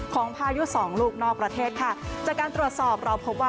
พายุสองลูกนอกประเทศค่ะจากการตรวจสอบเราพบว่า